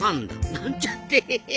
なんちゃって。